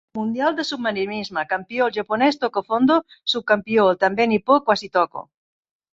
Mundial de submarinisme: campió, el japonès Tokofondo; subcampió, el també nipó Quasitoko.